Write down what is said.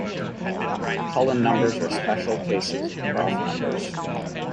Cullen numbers are special cases of Proth numbers.